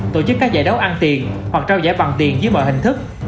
tổ chức các giải đấu ăn tiền hoặc trao giải bằng tiền dưới mọi hình thức